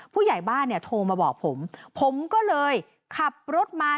ผู้ใหญ่บ้านเนี่ยโทรมาบอกผมผมก็เลยขับรถมา